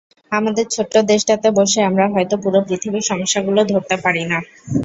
আমাদের ছোট্ট দেশটাতে বসে আমরা হয়তো পুরো পৃথিবীর সমস্যাগুলো ধরতে পারি না।